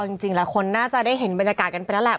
จริงหลายคนน่าจะได้เห็นบรรยากาศกันไปแล้วแหละ